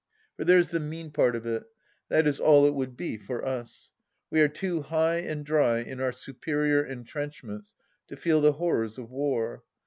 For there's the meao THE LAST DITCH 97 part of it ; that is all it would be for Us. We are too high and dry in our superior entrenchments to feel the horrors of war.